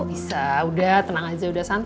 bisa udah tenang aja udah santai